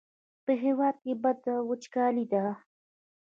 په هېواد کې بده وچکالي ده.